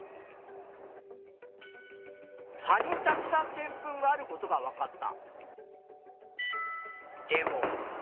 葉にたくさんでんぷんがあることがわかった。